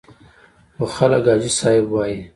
خو خلک حاجي صاحب وایي.